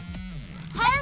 はい！